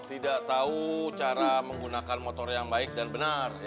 tidak tahu cara menggunakan motor yang baik dan benar